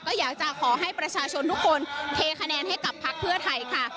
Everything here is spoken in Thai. ก็อยากจะขอให้ประชาชนทุกคนเทคะแนนให้กับพักเพื่อไทยค่ะ